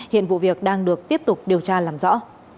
hiện vụ việc đang được tiếp tục điều tra làm rõ